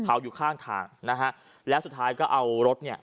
อยู่ข้างทางนะฮะแล้วสุดท้ายก็เอารถเนี่ย